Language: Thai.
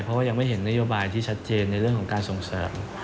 เพราะว่ายังไม่เห็นนโยบายที่ชัดเจนในเรื่องของการส่งเสริม